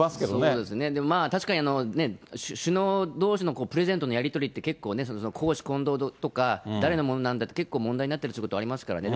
そうですね、確かにね、首脳どうしのプレゼントのやり取りって、結構それこそ公私混同とか、誰のものなんだって、結構問題になったりすることありますからね。